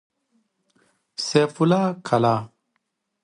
سيف الله کلا